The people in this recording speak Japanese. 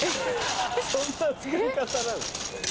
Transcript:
そんな作り方なの？